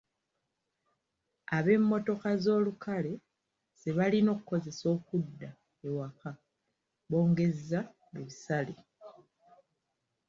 Ab’emmotoka z’olukale ze balina okukozesa okudda ewaka bongezza ebisale.